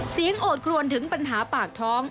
โอดครวนถึงปัญหาปากท้อง